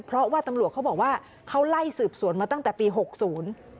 เพราะว่าตำรวจเขาบอกว่าเขาไล่สืบสวนมาตั้งแต่ปีหกศูนย์